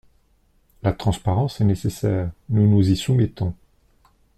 La transparence est nécessaire, nous nous y soumettons.